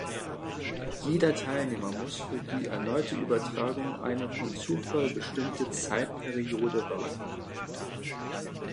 Jeder Teilnehmer muss für die erneute Übertragung eine vom Zufall bestimmte Zeitperiode warten.